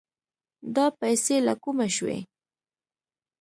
دا پيسې له کومه شوې؟